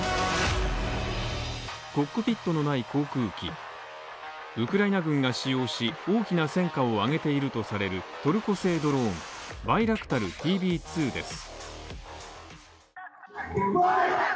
コックピットのない航空機ウクライナ軍が使用し、大きな戦果を上げているとされるトルコ製ドローンバイラクタルＴＢ２です。